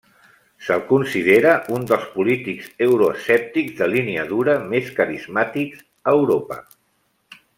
Se'l considera un dels polítics euroescèptics de línia dura més carismàtics a Europa.